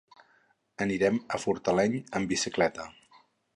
Anirem a Fortaleny amb bicicleta.